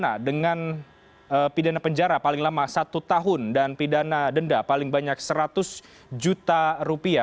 pidana dengan pidana penjara paling lama satu tahun dan pidana denda paling banyak seratus juta rupiah